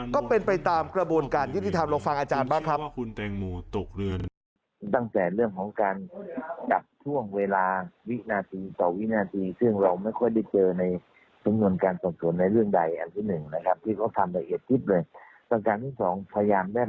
ก็เป็นไปตามกระบวนการยุติธรรมลองฟังอาจารย์บ้างครับ